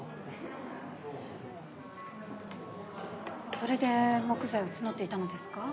それで木材を募っていたのですか？